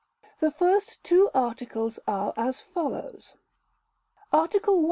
." The first two articles are as follows: "Article I.